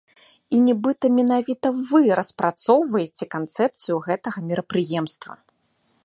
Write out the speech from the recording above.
І нібыта менавіта вы распрацоўваеце канцэпцыю гэтага мерапрыемства.